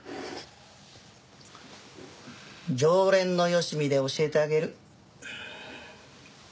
常連のよしみで教えてあげる。